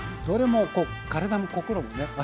どれも体も心もね